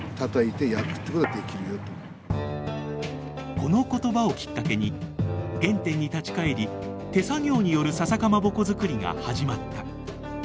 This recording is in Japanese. この言葉をきっかけに原点に立ち返り手作業によるささかまぼこ作りが始まった。